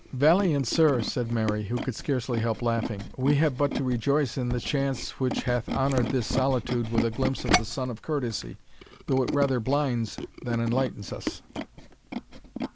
"Valiant sir," said Mary, who could scarcely help laughing, "we have but to rejoice in the chance which hath honoured this solitude with a glimpse of the sun of courtesy, though it rather blinds than enlightens us."